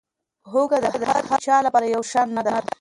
هوږه د هر چا لپاره یو شان نه ده.